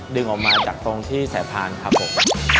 ดึงออกมาจากตรงที่สายพานครับผม